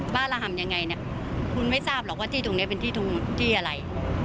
กระห่ำยังไงเนี่ยคุณไม่ทราบหรอกว่าที่ตรงนี้เป็นที่อะไร